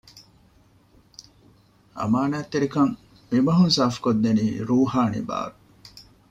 އަމާނާތްތެރިކަން މި ބަހުން ސިފަކޮށް ދެނީ ރޫޙާނީ ބާރު